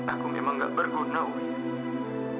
aku memang gak berguna untuk